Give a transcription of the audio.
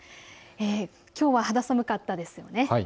きょうは肌寒かったですよね。